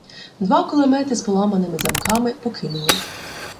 Два кулемети з поламаними замками покинули.